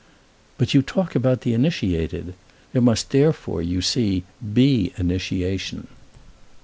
"But you talk about the initiated. There must therefore, you see, be initiation."